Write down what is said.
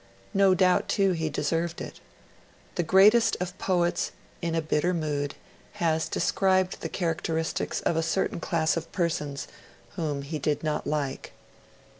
No doubt, too, he deserved it. The greatest of poets, in a bitter mood, has described the characteristics of a certain class of persons, whom he did not like.